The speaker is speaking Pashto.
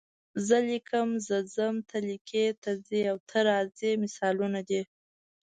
زه لیکم، زه ځم، ته لیکې، ته ځې او ته راځې مثالونه دي.